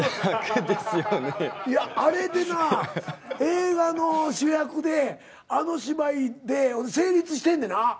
あれでな映画の主役であの芝居で成立してんねな。